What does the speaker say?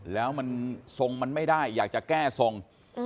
แล้วมันทรงมันไม่ได้อยากจะแก้ทรง